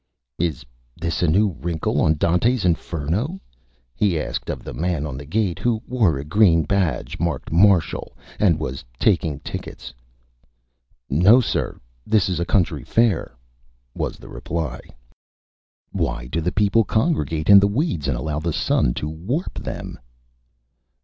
"Is this a new Wrinkle on Dante's Inferno?" he asked of the Man on the Gate, who wore a green Badge marked "Marshal," and was taking Tickets. "No, sir; this is a County Fair," was the reply. [Illustration: THE FOOL KILLER] "Why do the People congregate in the Weeds and allow the Sun to warp them?"